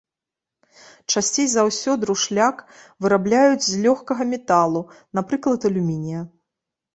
Часцей за ўсё друшляк вырабляюць з лёгкага металу, напрыклад, алюмінія.